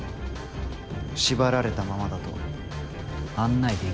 縛られたままだと案内できない。